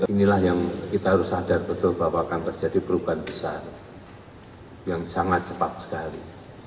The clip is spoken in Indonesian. inilah yang kita harus sadar betul bahwa akan terjadi perubahan besar yang sangat cepat sekali